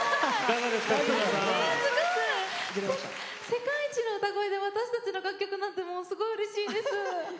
世界一の歌声で私たちの楽曲なんてもうすごいうれしいです。